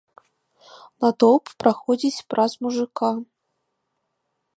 Натоўп праходзіць праз мужыка.